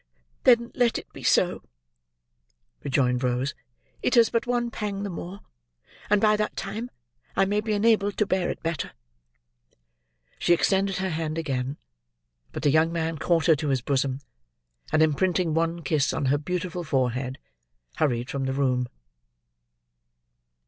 "Then let it be so," rejoined Rose; "it is but one pang the more, and by that time I may be enabled to bear it better." She extended her hand again. But the young man caught her to his bosom; and imprinting one kiss on her beautiful forehead, hurried from the room.